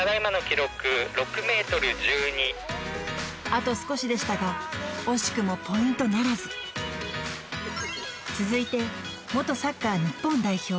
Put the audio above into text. あと少しでしたが惜しくもポイントならず続いて元サッカー日本代表